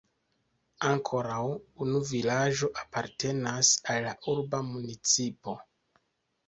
Ankoraŭ unu vilaĝo apartenas al la urba municipo.